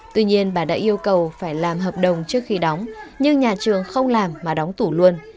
tuy nhiên bà đã yêu cầu phải làm hợp đồng trước khi đóng nhưng nhà trường không làm mà đóng tủ luôn